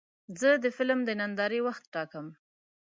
زه د فلم د نندارې وخت ټاکم.